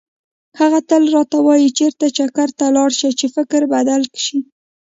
هغه تل راته وایي چېرته چکر ته لاړ شه چې فکر بدل شي.